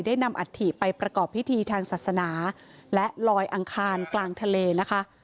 นำอัฐิไปประกอบพิธีทางศาสนาและลอยอังคารกลางทะเลนะคะ